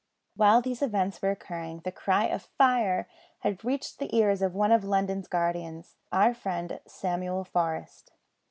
While these events were occurring the cry of fire had reached the ears of one of London's guardians; our friend Samuel Forest.